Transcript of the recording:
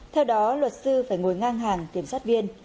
theo đó luật sư phải ngồi ngang hàng kiểm soát viên